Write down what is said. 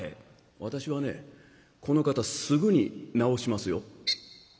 私はねこの方すぐに治しますよ」。